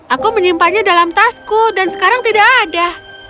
aku menyimpannya dalam tasku dan sekarang tidak ada